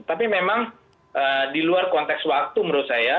tapi memang di luar konteks waktu menurut saya